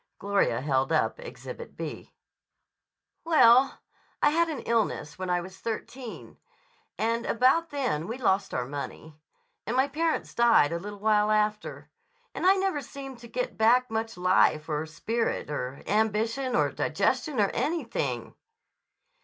Gloria held up Exhibit B. "Well, I had an illness when I was thirteen. And about then we lost our money. And my parents died a little while after. And I never seemed to get back much life or spirit or ambition or digestion or anything."